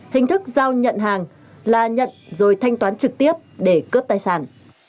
hình thức giao nhận hàng là nhận rồi thanh toán trực tiếp để cướp tài sản